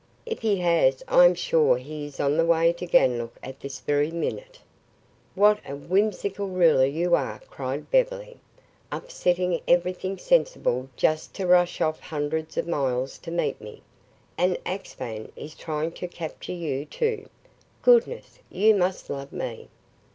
If he has, I am sure he is on the way to Ganlook at this very minute." "What a whimsical ruler you are," cried Beverly. "Upsetting everything sensible just to rush off hundreds of miles to meet me. And Axphain is trying to capture you, too! Goodness, you must love me!"